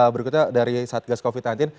berikutnya dari satgas covid sembilan belas